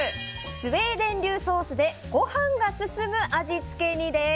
スウェーデン流ソースでご飯が進む味付けに。